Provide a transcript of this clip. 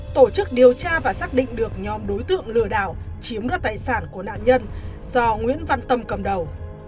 tổ chức điều tra và xác định được nhóm đối tượng lừa đảo chiếm đoạt tài sản của nạn nhân do nguyễn văn tâm cầm đầu